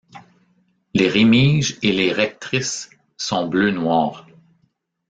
Les rémiges et les rectrices sont bleu noir.